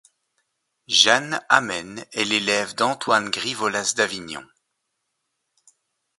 Jeanne Amen est l'élève d'Antoine Grivolas d'Avignon.